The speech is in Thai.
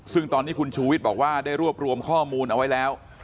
ซึ่งตอนนี้คุณชูวิทย์บอกว่าได้รวบรวมข้อมูลเอาไว้แล้ว